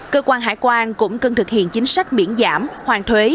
cơ quan hải quan cũng cần thực hiện chính sách miễn giảm hoàn thuế